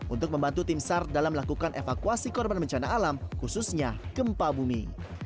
untuk membantu tim sar dalam melakukan evakuasi korban bencana alam khususnya gempa bumi